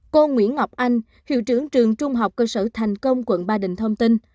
cô nguyễn ngọc anh hiệu trưởng trường trung học cơ sở thành công quận ba đình thông tin